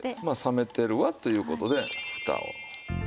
まあ冷めてるわという事で蓋を。